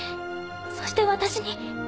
そして私に。